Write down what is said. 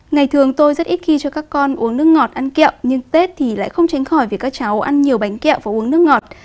ngày thường tôi rất ít khi cho các con uống nước ngọt ăn kẹo nhưng tết thì lại không tránh khỏi vì các cháu ăn nhiều bánh kẹo và uống nước ngọt